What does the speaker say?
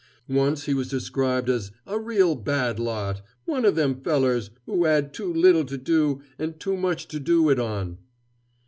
Once he was described as a "reel bad lot one of them fellers 'oo 'ad too little to do an' too much to do it on."